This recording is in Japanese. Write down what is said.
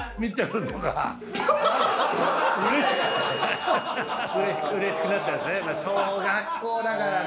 うれしくなっちゃうんですね。